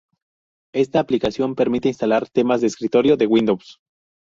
Esta aplicación permite instalar temas de escritorio de Windows.